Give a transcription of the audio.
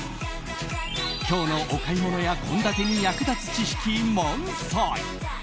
今日のお買い物や献立に役立つ知識満載。